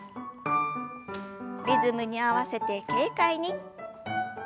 リズムに合わせて軽快に。